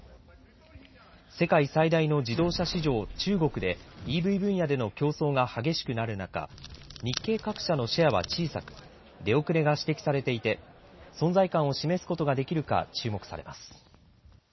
世界最大の自動車市場、中国でＥＶ分野での競争が激しくなる中日系各社のシェアは小さく出遅れが指摘されていて存在感を示すことができるか注目されます。